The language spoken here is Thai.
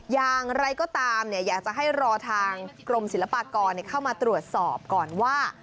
อย่างไรก็ตามอยากจะให้รอทางกรมศิลปากรเข้ามาตรวจสอบก่อนว่า